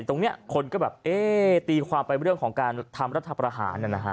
ตรงนี้คนก็แบบเอ๊ะตีความไปเรื่องของการทำรัฐประหาร